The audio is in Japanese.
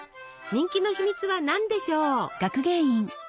人気の秘密は何でしょう？